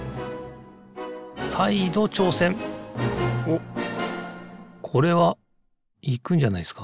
おっこれはいくんじゃないですか